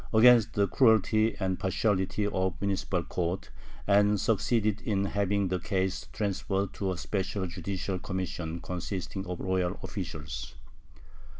against the cruelty and partiality of the municipal court, and succeeded in having the case transferred to a special judicial commission consisting of royal officials.